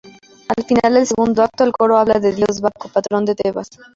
Al final del segundo acto, el coro habla del dios Baco, patrón de Tebas.